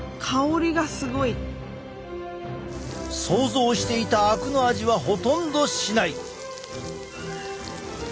想像していたあくの味はほとんどしない。